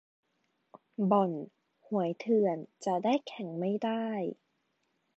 บ่อน-หวยเถื่อนจะได้แข่งไม่ได้